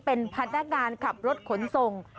เป็นพนักงานขับรถขนส่ง